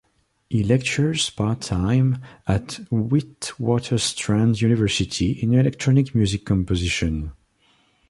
He lectures part-time at Witwatersrand University in electronic music composition.